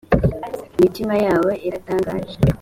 imitima yabo iratangaje.